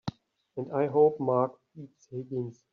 And I hope Mark beats Higgins!